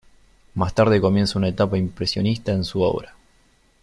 Más tarde comienza una etapa impresionista en su obra.